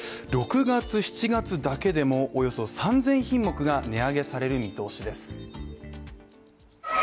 ６月７月だけでもおよそ３０００品目が値上げされる見通しです。